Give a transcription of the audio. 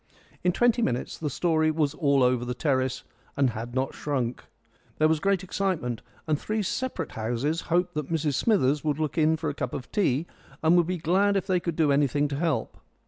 In twenty minutes the story was all over the terrace and had not shrunk. There was great excitement, and three separate houses hoped that Mrs Smithers would look in for a cup of tea, and would be glad if they could do anything to help.